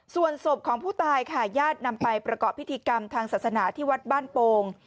ส่วนศพของผู้ตายค่ะญาตินำไปประกอบพิธีกรรมทางศาสนาที่วัดบ้านโป่ง